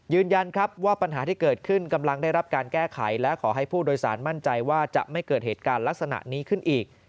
ยืนยันครับว่าปัญหาที่เกิดขึ้นกำลังได้รับการแก้ไขและขอให้ผู้โดยสารมั่นใจว่าจะไม่เกิดเหตุการณ์ลักษณะนี้ขึ้นอีก